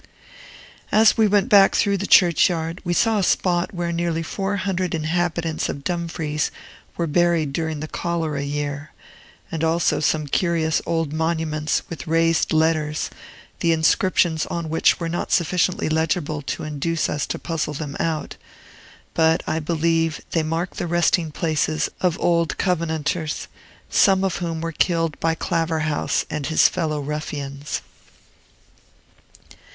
As we went back through the churchyard, we saw a spot where nearly four hundred inhabitants of Dumfries were buried during the cholera year; and also some curious old monuments, with raised letters, the inscriptions on which were not sufficiently legible to induce us to puzzle them out; but, I believe, they mark the resting places of old Covenanters, some of whom were killed by Claverhouse and his fellow ruffians.